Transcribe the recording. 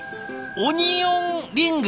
オニオンリング？